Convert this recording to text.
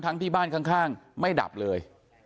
ที่บ้านข้างไม่ดับเลย